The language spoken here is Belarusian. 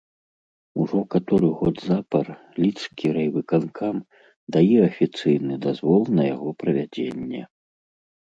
Ужо каторы год запар лідскі райвыканкам дае афіцыйны дазвол на яго правядзенне.